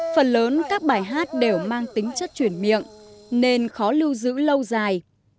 phần lớn các bài hát đều mang tính chất chuyển miệng nên khó lưu giữ lâu dài